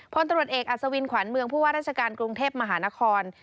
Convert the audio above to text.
พลตรวจเอกอัศวินขวัญเมืองผู้ว่าราชการกรุงเทพมหานคร